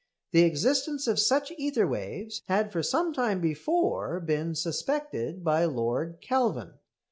The existence of such ether waves had for some time before been suspected by Lord Kelvin.